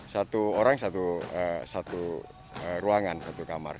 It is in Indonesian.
satu orang satu ruangan satu kamar